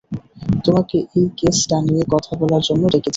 তোমাকে এই কেসটা নিয়ে কথা বলার জন্য ডেকেছি।